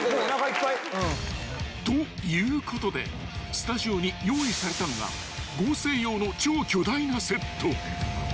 ［ということでスタジオに用意されたのが合成用の超巨大なセット］